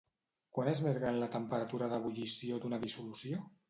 Quan és més gran la temperatura d'ebullició d'una dissolució?